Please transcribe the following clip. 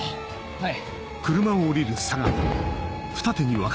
はい。